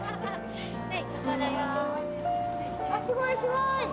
あっすごいすごい！